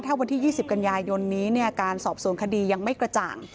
ถ้าวันที่ยี่สิบกันยายยนนี้เนี่ยการสอบส่วนคดียังไม่กระจ่าง